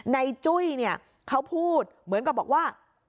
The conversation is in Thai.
จุ้ยเนี่ยเขาพูดเหมือนกับบอกว่า